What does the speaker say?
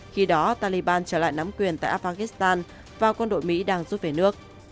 khi đó taliban trở lại nắm quyền tại afghan và quân đội mỹ đang rút về nước